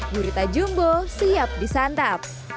gurita jumbo siap disantap